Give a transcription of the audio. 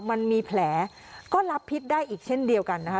มันมีแผลก็รับพิษได้อีกเช่นเดียวกันนะคะ